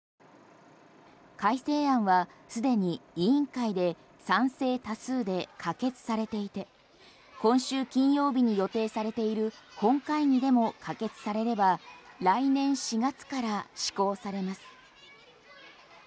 改正案は既に委員会で賛成多数で可決されていて今週金曜日に予定されている本会議でも可決されれば来年４月から施行されます。